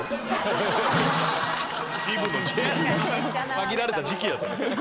限られた時期やそれ！